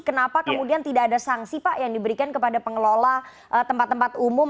kenapa kemudian tidak ada sanksi pak yang diberikan kepada pengelola tempat tempat umum